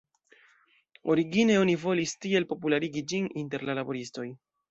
Origine oni volis tiel popularigi ĝin inter la laboristoj.